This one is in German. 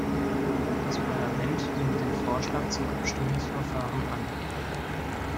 Das Parlament nimmt den Vorschlag zum Abstimmungsverfahren an.